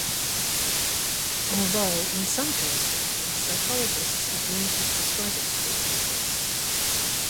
Although, in some jurisdictions, psychologists have limited prescribing privileges.